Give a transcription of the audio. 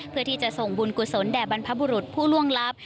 เพื่อที่จะส่งบุญกุศลแด่บรรพบุรุษผู้ล่วงลับ